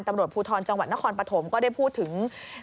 ตำรวจภูทรจังหวัดนครปฐมก็ได้พูดถึง